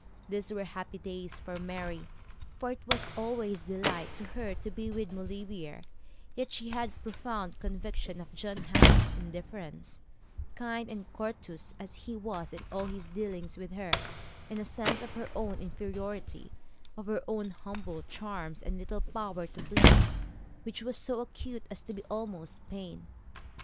Those were happy days for Mary, for it was always delight to her to be with Maulevrier; yet she had a profound conviction of John Hammond's indifference, kind and courteous as he was in all his dealings with her, and a sense of her own inferiority, of her own humble charms and little power to please, which was so acute as to be almost pain.